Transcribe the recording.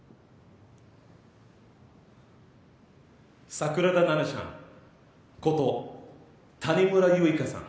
桜田ナナちゃんこと谷村結花さん。